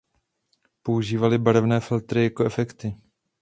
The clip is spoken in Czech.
Používali barevné filtry jako efekty.